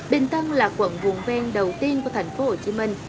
bình tân là quận vùng ven đầu tiên của thành phố hồ chí minh